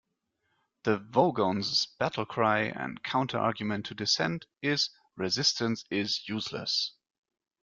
The Vogons' battle-cry, and counter-argument to dissent, is resistance is useless!